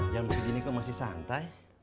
jangan begini kok masih santai